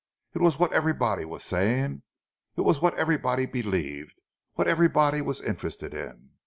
It was what everybody was saying! It was what everybody believed—what everybody was interested in!